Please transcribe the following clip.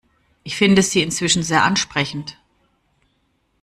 Ich finde sie inzwischen sehr ansprechend.